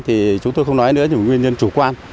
thì chúng tôi không nói nữa những nguyên nhân chủ quan